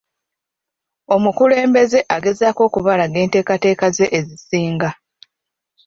Omukulembeze agezaako okubalaga enteekateeka ze ezisinga.